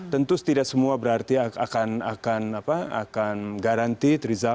tentu tidak semua berarti akan garanti trizal